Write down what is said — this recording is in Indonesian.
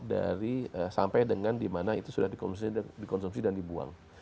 dari sampai dengan dimana itu sudah dikonsumsi dan dibuang